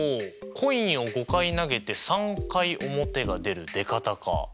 コインを５回投げて３回表が出る出方か。